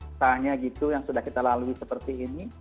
misalnya gitu yang sudah kita lalui seperti ini